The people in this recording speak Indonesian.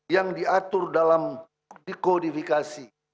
yang diatur dalam dikodifikasi